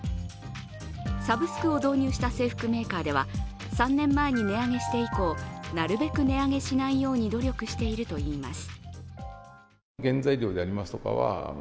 サブスクを導入した制服メーカーでは３年前に値上げして以降なるべく値上げしないように努力しているといいます。